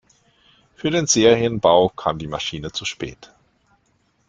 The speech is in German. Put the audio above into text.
Für den Serienbau kam die Maschine zu spät.